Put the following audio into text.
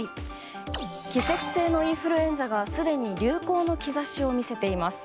季節性のインフルエンザがすでに流行の兆しを見せています。